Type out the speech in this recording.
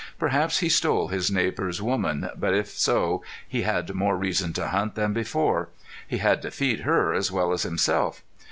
Perhaps he stole his neighbor's woman, but if so he had more reason to hunt than before he had to feed her as well as himself.